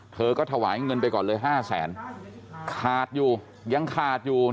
เธอก็ถวายเงินไปก่อนเลยห้าแสนขาดอยู่ยังขาดอยู่